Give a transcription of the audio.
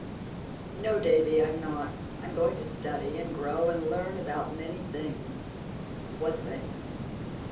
"No, Davy, I'm not. I'm going to study and grow and learn about many things." "What things?"